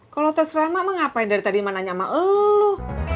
kalau terserah mak mah ngapain dari tadi ma nanya sama elu